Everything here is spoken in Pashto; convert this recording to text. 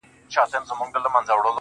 څنگه دي زړه څخه بهر وباسم~